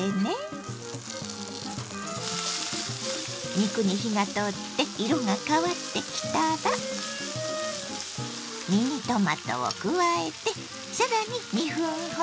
肉に火が通って色が変わってきたらミニトマトを加えて更に２分ほど炒めます。